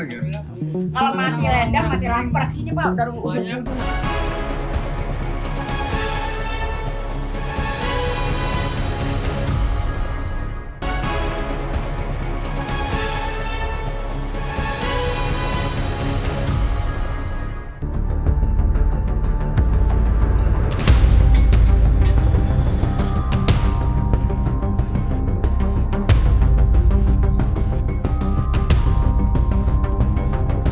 enggak pernah kering ya bu